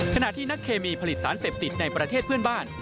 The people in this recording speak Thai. ขณะที่นักเคมีผลิตสารเสพติดในประเทศเพื่อนบ้าน